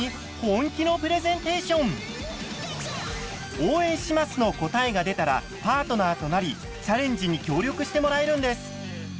「応援します」の答えが出たらパートナーとなりチャレンジに協力してもらえるんです。